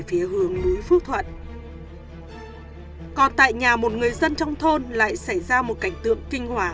phía hướng núi phước thuận còn tại nhà một người dân trong thôn lại xảy ra một cảnh tượng kinh hòa